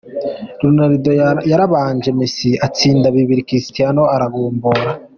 Ronaldo yarabanje, Messi atsinda bibiri, Cristiano aragombora.